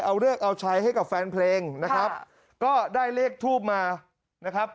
เอาเลิกเอาใช้ให้กับแฟนเพลงนะครับก็ได้เลขทูบมานะครับ